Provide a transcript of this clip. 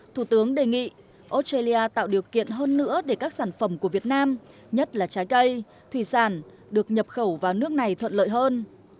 thủ tướng đề nghị australia tạo điều kiện hơn nữa để các sản phẩm của việt nam nhất là trái cây thủy sản được nhập khẩu vào nước này thuận lợi hơn